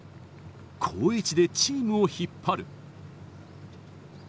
好位置でチームを引っ張る。